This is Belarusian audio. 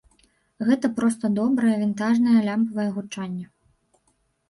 Гэта проста добрае вінтажнае лямпавае гучанне.